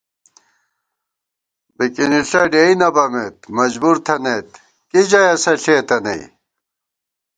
بِکِنِݪہ ڈېئی نہ بَمېت مجبُور تھنَئیت کی ژَئی اسہ ݪېتہ نئ